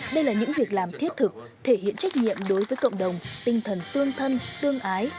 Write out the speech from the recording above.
đây là những việc làm thiết thực thể hiện trách nhiệm đối với cộng đồng tinh thần tương thân tương ái